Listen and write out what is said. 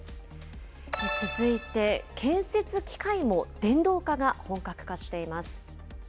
続いて建設機械も電動化が本格化しています。